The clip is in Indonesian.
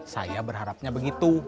saya berharapnya begitu